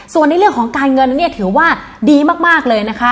ส่วนในเรื่องของการเงินเนี่ยถือว่าดีมากเลยนะคะ